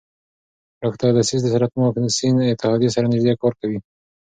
ډاکټر ډسیس د سرطان واکسین اتحادیې سره نژدې کار کوي.